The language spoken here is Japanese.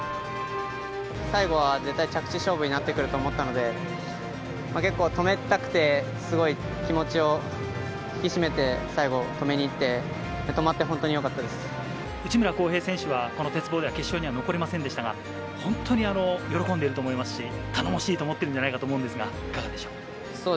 最後は絶対着地勝負になってくると思ったので、結構止めたくてすごい気持ちを引き締めて、最後、止めにいって、止まって本当内村航平選手は、この鉄棒では決勝には残れませんでしたが、本当に喜んでいると思いますし、頼もしいと思ってるんじゃないかと思いますが、いかがでしょう。